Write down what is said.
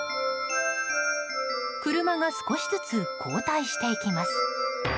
車が少しずつ後退していきます。